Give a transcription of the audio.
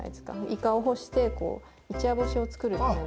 イカを干して一夜干しを作るっていうの。